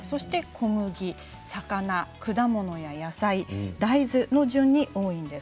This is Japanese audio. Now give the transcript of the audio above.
小麦、魚、果物、野菜大豆の順に多いんです。